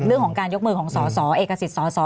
เรื่องของการยกมือของสสเอกสิทธิ์สส